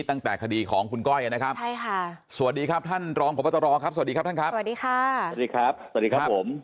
ตั้งแต่คดีของคุณก้อยนะครับสวัสดีครับท่านรองพตครับสวัสดีครับท่านครับสวัสดีครับ